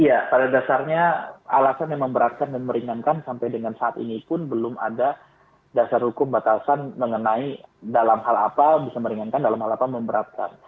iya pada dasarnya alasan yang memberatkan dan meringankan sampai dengan saat ini pun belum ada dasar hukum batasan mengenai dalam hal apa bisa meringankan dalam hal apa memberatkan